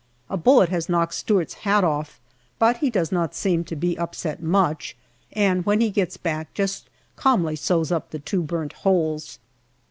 A bullet has knocked Stewart's hat off, but he does not seem to be upset much, and when he gets back just calmly sews up the two burnt holes.